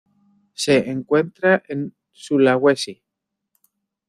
Se encuentra en Sulawesi.